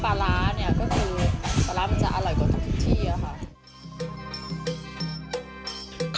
คือรสชาติน้ำปลาร้าเนี่ยก็คือปลาร้ามันจะอร่อยกว่าทุกที่ค่ะ